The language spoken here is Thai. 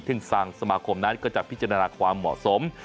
ซึ่งทางสมาคมนั้นก็จะพิจารณาความเหมาะสม